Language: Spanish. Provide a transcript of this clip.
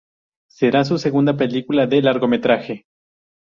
Será su segunda película de largometraje.